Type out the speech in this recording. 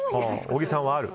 小木さんはある？